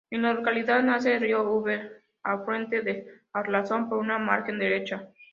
En la localidad nace el río Úrbel, afluente del Arlanzón por su margen derecha.